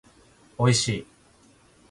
おいしい